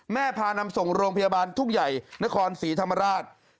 พานำส่งโรงพยาบาลทุ่งใหญ่นครศรีธรรมราช